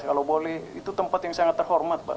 kalau boleh itu tempat yang sangat terhormat pak